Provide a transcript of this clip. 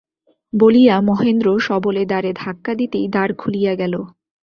বলিয়া মহেন্দ্র সবলে দ্বারে ধাক্কা দিতেই দ্বার খুলিয়া গেল।